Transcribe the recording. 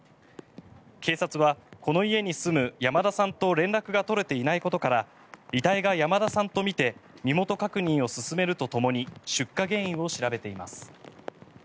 警察は、この家に住む山田さんと連絡が取れていないことから遺体が山田さんとみて身元確認を進めるとともに出火原因を調べています。